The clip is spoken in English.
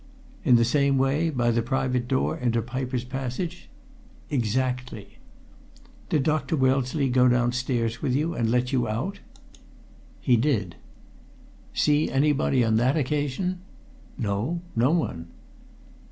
"In the same way by the private door into Piper's Passage?" "Exactly." "Did Dr. Wellesley go downstairs with you and let you out?" "He did." "See anybody about on that occasion?" "No no one."